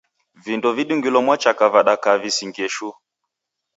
Vindo vidungilo mwachaka vadakaa visingie shuu.